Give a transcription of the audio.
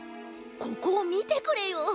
ここをみてくれよ。